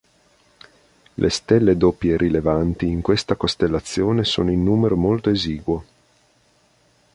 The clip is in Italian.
Le stelle doppie rilevanti in questa costellazione sono in numero molto esiguo.